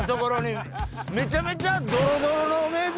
めちゃめちゃ。